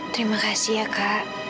terima kasih ya kak